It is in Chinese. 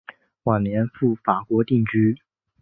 晚年赴法国定居。